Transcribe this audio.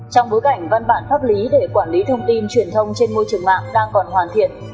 trong bối cảnh văn bản pháp lý để quản lý thông tin truyền thông trên môi trường mạng đang còn hoàn thiện